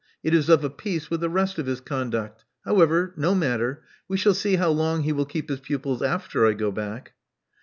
It is of a piece with the rest of his conduct. However, no matter. We shall see how long he will keep his pupils after I go back."